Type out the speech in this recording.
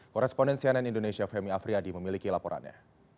koresponden cnn indonesia femi afriyadi memiliki laporannya